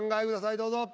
どうぞ。